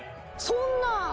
そんなぁ！